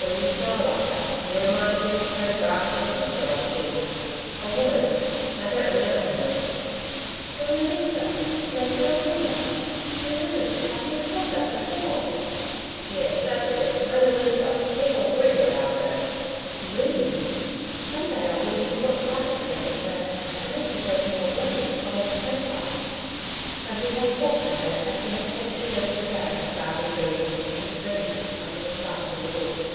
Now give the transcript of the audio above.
'When you smile like that, you remind me of a photograph of a picture I've seen a woman, I don't remember her name.' 'Mona Lisa La Gioconda. I know I've been told that before.' 'Yes, that's it. Mona Lisa. People have written about her.' 'Reams. Some day I'll read you what Pater says of her, unless you've read him already by your camp fire.' For he had talked to her, as he had talked to Joan Gildea, about his readings and his dreamings under the stars in the Bush.